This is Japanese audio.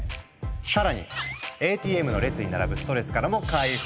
更にＡＴＭの列に並ぶストレスからも解放！